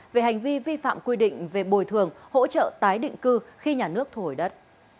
về hành vi vi phạm quy định về bồi thường hỗ trợ tái định cư khi nhà nước thu hồi đất